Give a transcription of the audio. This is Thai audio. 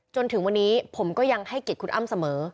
จนถึงวันนี้ผมก็ยังให้เกียรติคุณอ้ำเสมอ